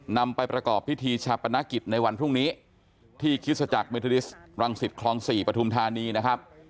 นำไปประกอบพิธีชาปนกิจในวันพรุ่งนี้ที่คริสตจักรเมทอลิสต์รังสิตคลอง๔ปฐุมธานีนะครับ